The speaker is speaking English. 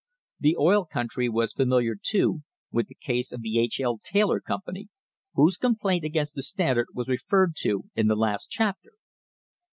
The oil country was familiar, too, with the case of the H. L. Taylor Company, whose complaint against the Standard was referred to in the last chapter.